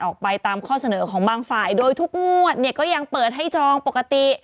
ออกไปตามข้อเสนอของบางฝ่ายโดยทุกงวดเนี่ยก็ยังเปิดให้จองปกติ